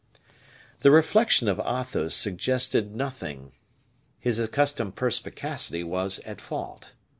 The reflections of Athos suggested nothing. His accustomed perspicacity was at fault.